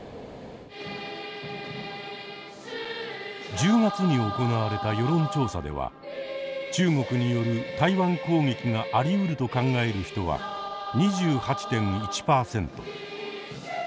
１０月に行われた世論調査では中国による台湾攻撃がありうると考える人は２８．１％。